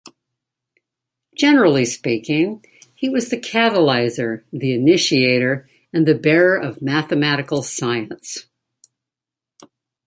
Generally speaking, he was the catalyzer, the initiator, and the bearer of mathematical science.